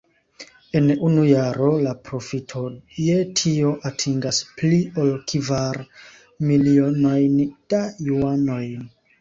En unu jaro la profito je tio atingas pli ol kvar milionojn da juanoj.